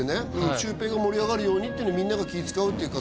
シュウペイが盛り上がるようにってみんなが気使うっていうか